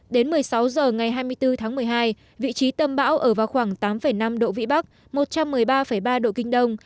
đến một mươi sáu h ngày hai mươi bốn tháng một mươi hai vị trí tâm bão ở vào khoảng tám năm độ vĩ bắc một trăm một mươi ba ba độ kinh đông